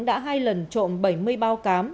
đã hai lần trộm bảy mươi bao cám